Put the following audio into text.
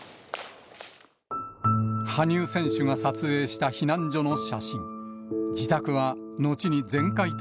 羽生選手が撮影した避難所の写真。